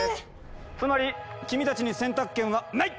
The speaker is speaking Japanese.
つまり君たちに選択権はない！